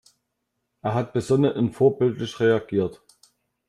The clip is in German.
Er hat besonnen und vorbildlich reagiert.